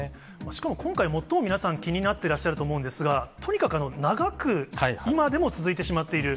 しかも今回、最も皆さん気になってらっしゃると思うんですが、とにかく長く今でも続いてしまっている。